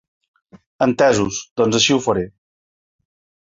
Entesos, doncs així ho faré.